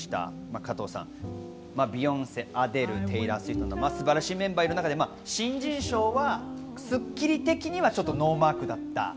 加藤さん、ビヨンセ、アデル、テイラー・スウィフトなど素晴らしいメンバーがいる中で、新人賞は『スッキリ』的にはちょっとノーマークだった。